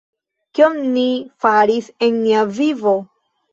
Kion ni faris en nia vivo?